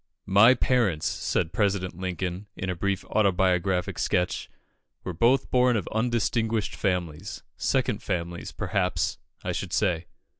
"My parents," said President Lincoln, in a brief autobiographic sketch, "were both born of undistinguished families second families, perhaps, I should say."